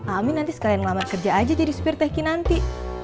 amin nanti sekalian ngelamat kerja aja jadi supir tehkinanti